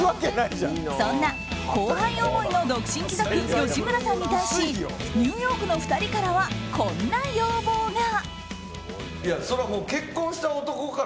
そんな後輩思いの独身貴族吉村さんに対しニューヨークの２人からはこんな要望が。